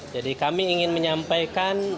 jadi kami ingin menyampaikan